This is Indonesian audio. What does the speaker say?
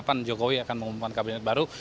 pan jokowi akan mengumumkan kabinet baru